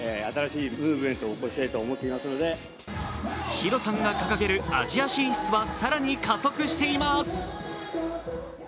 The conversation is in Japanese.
ＨＩＲＯさんが掲げる、アジア進出は更に加速しています。